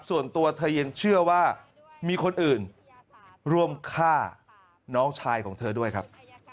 ส่วนตัวเธอยังเชื่อว่ามีคนอื่นร่วมฆ่าน้องชายของเธอด้วยครับ